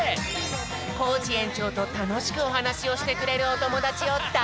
コージえんちょうとたのしくおはなしをしてくれるおともだちをだ